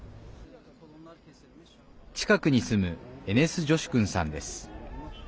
近くに住むエネス・ジョシュクンさんです。